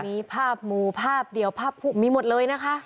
มีภาพหมู่ภาพเดียวภาพผู้มีหมดเลยนะคะ